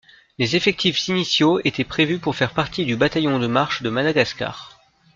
Les effectifs initiaux étaient prévus pour faire partie du bataillon de marche de Madagascar.